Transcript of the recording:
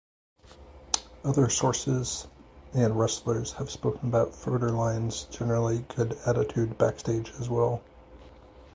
Other sources and wrestlers have spoken about Federline's generally good attitude backstage as well.